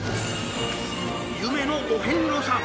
夢のお遍路さん